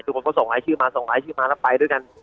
ทุกคนจะส่งอาทิตย์มาส่งอาทิตย์มาแล้วไปด้วยกัน